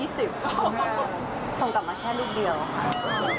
ส่งกลับมาแค่ลูกเดียวค่ะ